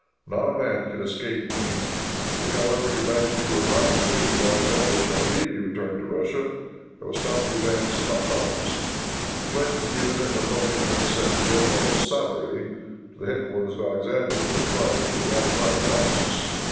Not a man can escape me. If, however, your majesty will promise me that Alexander shall immediately return to Russia, I will stop the advance of my columns." The pledge was given, and Napoleon then sent General Savary to the head quarters of Alexander, to inquire if he would ratify the armistice.